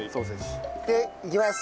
でいきます。